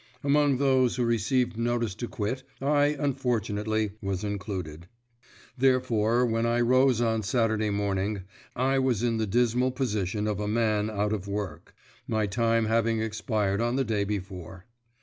Among those who received notice to quit, I, unfortunately, was included. Therefore, when I rose on Saturday morning I was in the dismal position of a man out of work, my time having expired on the day before.